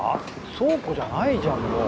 倉庫じゃないじゃんもう。